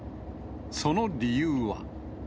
その理由は。